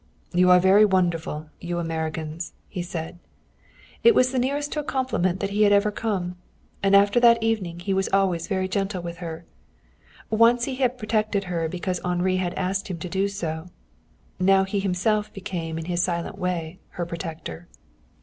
"You are very wonderful, you Americans," he said. It was the nearest to a compliment that he had ever come. And after that evening he was always very gentle with her. Once he had protected her because Henri had asked him to do so; now he himself became in his silent way her protector.